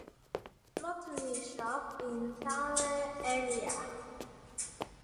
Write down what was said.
斗南地區的彩券行